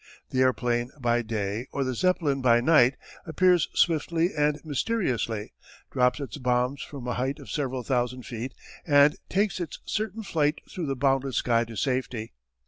The airplane by day or the Zeppelin by night appears swiftly and mysteriously, drops its bombs from a height of several thousand feet, and takes its certain flight through the boundless sky to safety.